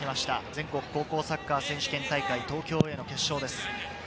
全国高校サッカー選手権大会東京Ａの決勝です。